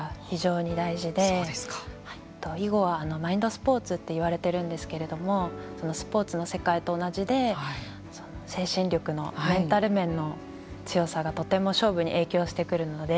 囲碁はマインドスポーツっていわれているんですけれどもスポーツの世界と同じで精神力のメンタル面の強さがとても勝負に影響してくるので。